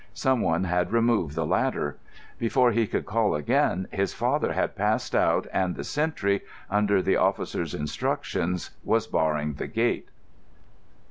Someone had removed the ladder. Before he could call again his father had passed out and the sentry, under the officer's instructions, was barring the gate.